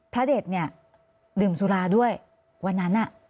พระเด็ดเนี่ยดื่มสุราด้วยวันนั้น